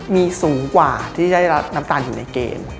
มีสูงกว่าที่จะได้รับน้ำตาลอยู่ในเกณฑ์